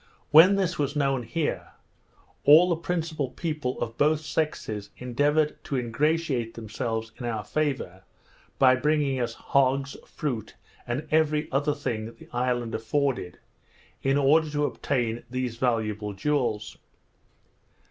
When this was known here, all the principal people of both sexes endeavoured to ingratiate themselves into our favour by bringing us hogs, fruit, and every other thing the island afforded, in order to obtain these valuable jewels.